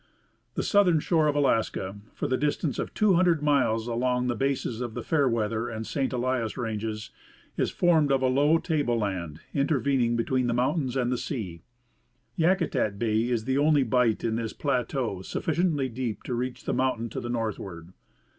The southern shore of Alaska, for a distance of 200 miles along the bases of the Fairweather and St. Elias ranges, is formed of a low table land intervening between the mountains and the sea. Yakutat bay is the only bight in this plateau sufficiently deep to reach the mountain to the northward.